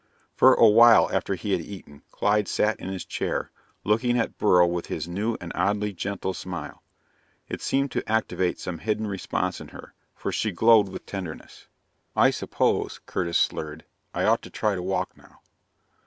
For a while after he had eaten, Clyde sat in his chair, looking at Beryl with his new and oddly gentle smile. It seemed to activate some hidden response in her, for she glowed with tenderness. "I suppose," Curtis slurred, "I ought to try to walk now."